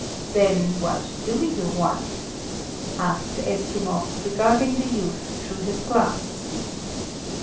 "Then what do you want?" asked Eskimov, regarding the youth through his glass.